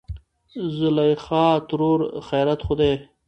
زليخاترور : خېرت خو دى.